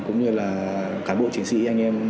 cũng như là cả bộ chiến sĩ anh em